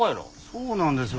そうなんですよ。